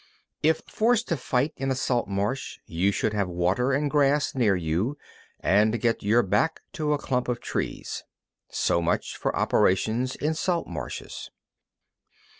8. If forced to fight in a salt marsh, you should have water and grass near you, and get your back to a clump of trees. So much for operations in salt marshes.